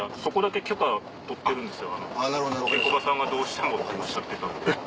ケンコバさんがどうしてもっておっしゃってたので。